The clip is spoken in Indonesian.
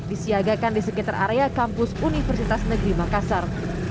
disiagakan di sekitar area kampus universitas negeri makassar